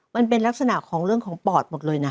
มันเป็นลักษณะของเรื่องของปอดหมดเลยนะ